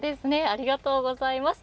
ありがとうございます。